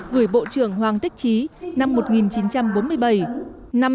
gửi bộ trưởng hoàng tích trí năm một nghìn chín trăm bốn mươi bảy